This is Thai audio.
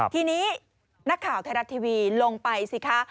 ทีนี้นักข่าวไทยรัฐทีวีลงไปสิคะ